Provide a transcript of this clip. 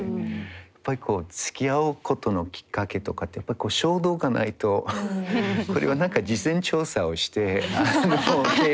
やっぱりつきあうことのきっかけとかってやっぱり衝動がないとこれは何か事前調査をして。